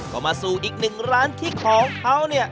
ก็มาสู่อีกหนึ่งร้านที่ของเขาเนี่ย